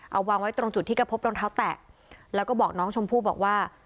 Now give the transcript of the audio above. เอาวางไว้ตรงจุดที่ก็พบรองเท้าแตะแล้วก็บอกน้องชมพู่บอกว่า